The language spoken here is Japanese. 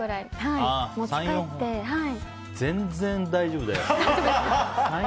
全然、大丈夫だよ。